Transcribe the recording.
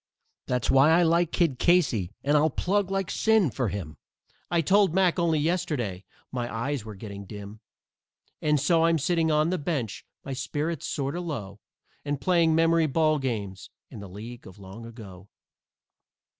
That's why I like Kid Casey, and I'll plug like sin for him, I told Mack only yesterday my eyes were getting dim. And so I'm sitting on the bench, my spirits sort o' low, And playing memory ball games in the League of Long Ago.